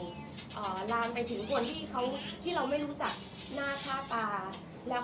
อ่าลามไปถึงคนที่เขาที่เราไม่รู้จักหน้าค่าตาแล้ว